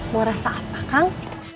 mau rasa apa kang